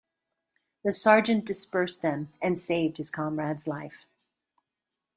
The sergeant dispersed them and saved his comrade's life.